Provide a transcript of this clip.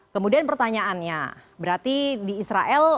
kemudian pertanyaannya berarti di israel